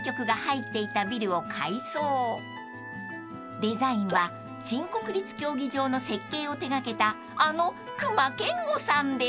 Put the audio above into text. ［デザインは新国立競技場の設計を手掛けたあの隈研吾さんです］